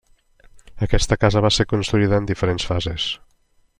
Aquesta casa va ser construïda en diferents fases.